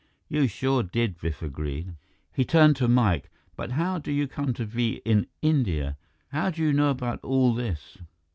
"You sure did," Biff agreed. He turned to Mike. "But how do you come to be in India? How do you know about all this?"